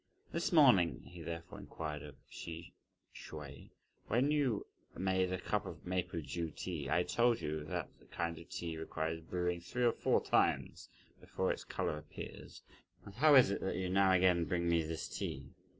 "This morning," he therefore inquired of Hsi Hsüeh, "when you made a cup of maple dew tea, I told you that that kind of tea requires brewing three or four times before its colour appears; and how is that you now again bring me this tea?"